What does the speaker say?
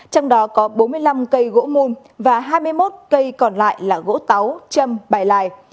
trong đó có bốn mươi năm cây gỗ mùn và hai mươi một cây còn lại là gỗ táo châm bài lài